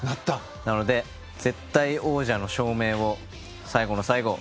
なので、絶対王者の証明を最後の最後。